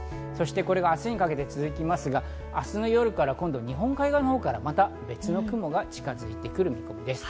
これが明日にかけて続きますが、明日の夜から今度、日本海側のほうからまた別の雲が近づいてくる見込みです。